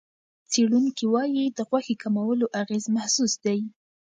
څېړونکي وايي، د غوښې کمولو اغېز محسوس دی.